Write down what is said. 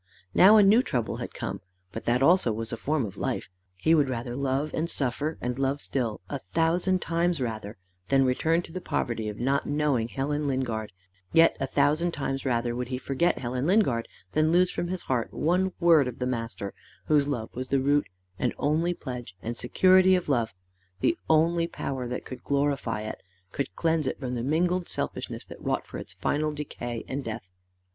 Now a new trouble had come, but that also was a form of life: he would rather love and suffer and love still, a thousand times rather, than return to the poverty of not knowing Helen Lingard; yet a thousand times rather would he forget Helen Lingard than lose from his heart one word of the Master, whose love was the root and only pledge and security of love, the only power that could glorify it could cleanse it from the mingled selfishness that wrought for its final decay and death.